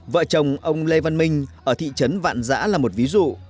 vợ chồng ông lê văn minh ở thị trấn vạn giã là một ví dụ